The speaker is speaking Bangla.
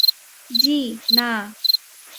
জি, না।